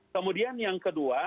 kemudian yang kedua